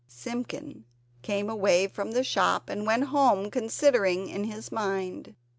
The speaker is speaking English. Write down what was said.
Simpkin came away from the shop and went home considering in his mind.